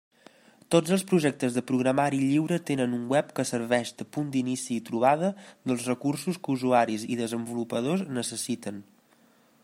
Tots els projectes de programari lliure tenen un web que serveix de punt d'inici i trobada dels recursos que usuaris i desenvolupadors necessiten.